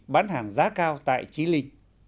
bán hàng giá cao tại chí ly